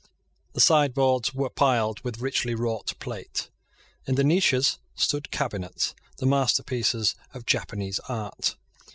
The sideboards were piled with richly wrought plate. In the niches stood cabinets, the masterpieces of Japanese art.